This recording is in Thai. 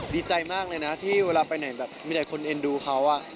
ดีใจมากเลยนะที่เวลาไปไหนแบบมีหลายคนเอ็นดูเขา